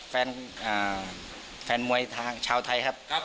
แฟนมวยทางชาวไทยครับ